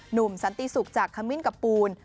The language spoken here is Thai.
หนุ่มสันติสุกจากคมิ้นกับปูล